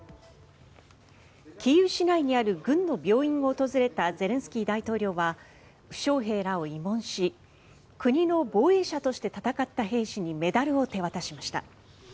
キーウ市内にある軍の病院を訪れたゼレンスキー大統領は負傷兵らを慰問し国の防衛者として戦った兵士にメダルを手渡しました。